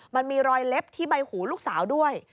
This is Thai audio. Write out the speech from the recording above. มันมีรอยเล็บที่ใบหูลูกสาวด้วย